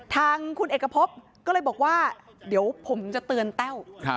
ทางคุณเอกพบก็เลยบอกว่าเดี๋ยวผมจะเตือนแต้ว